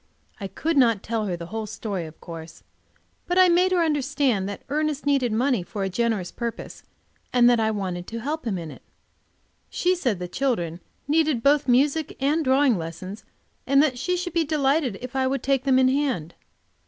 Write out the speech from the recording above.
I could not tell her the whole story, of course, but I made her understand that Ernest needed money for a generous purpose, and that I wanted to help him in it. She said the children needed both music and drawing lessons, and that she should be delighted if I would take them in hand.